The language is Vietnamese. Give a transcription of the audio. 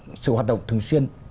để duy trì sự hoạt động thường xuyên